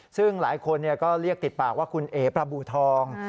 ซึ่งหลายคนก็เรียกติดปากว่าคุณเอ๋ประบูทอง